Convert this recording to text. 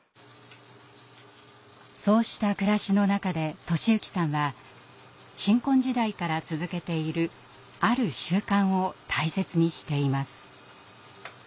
そうした暮らしの中で寿之さんは新婚時代から続けているある習慣を大切にしています。